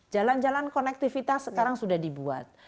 jalan jalan konektivitas sekarang sudah dibuat